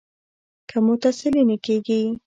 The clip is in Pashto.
که مو تسلي نه کېږي.